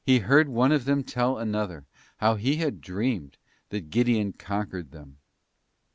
161 heard one of them tell another how he had dreamed that Gideon conquered them.